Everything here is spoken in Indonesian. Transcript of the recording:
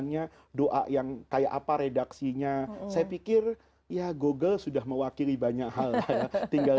nya doa yang kayak apa redaksinya saya pikir ya google sudah mewakili banyak hal tinggal